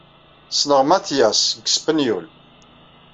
Ssneɣ Mattias deg Spenyul.